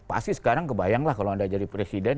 pasti sekarang kebayang lah kalau anda jadi presiden